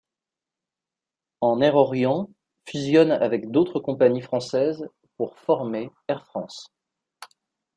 En Air Orient fusionne avec d’autres compagnies françaises pour former Air France.